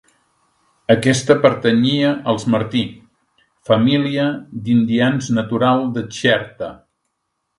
Aquesta pertanyia als Martí, família d'indians natural de Xerta.